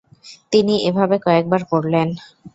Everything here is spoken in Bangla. তিনি এভাবে কয়েকবার করলেন।